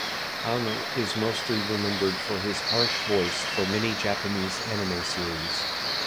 Aono is mostly remembered for his harsh voice for many Japanese anime series.